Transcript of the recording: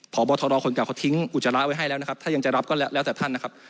พบทรคนเก่าเขาทิ้งอุจจาระไว้ให้แล้วนะครับถ้ายังจะรับก็แล้วแต่ท่านนะครับ